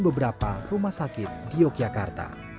beberapa rumah sakit di yogyakarta